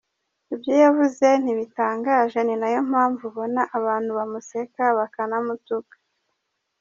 “Ibyo yavuze ntibitangaje ni nayo mpamvu ubona abantu bamuseka bakanamutuka.